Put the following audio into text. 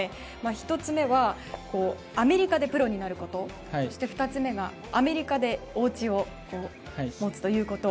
１つ目はアメリカでプロになることそして２つ目がアメリカでおうちを持つということ。